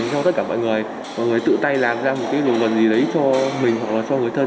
cho tất cả mọi người mọi người tự tay làm ra một cái đồ vật gì đấy cho mình hoặc là cho người thân